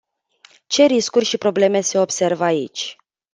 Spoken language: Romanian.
Ce riscuri și probleme se observă aici?